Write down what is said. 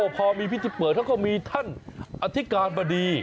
พอมีพิธีเปิดเขาก็มีท่านอธิการบดี